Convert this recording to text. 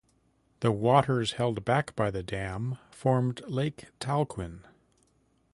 The waters held back by the dam formed Lake Talquin.